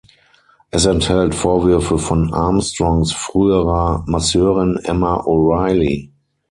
Es enthält Vorwürfe von Armstrongs früherer Masseurin Emma O'Reilly.